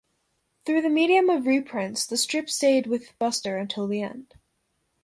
Through the medium of reprints, the strip stayed with Buster until the end.